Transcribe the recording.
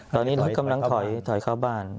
ตอนนี้รถกำลังถอยเข้าบ้าน